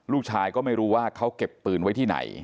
ลูกชายก็ไม่รู้ว่าเขาเก็บปืนไว้ที่ไหน